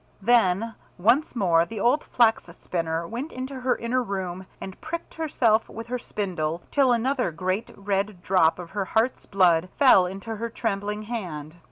Then once more the old Flax spinner went into her inner room, and pricked herself with her spindle till another great red drop of her heart's blood fell into her trembling hand.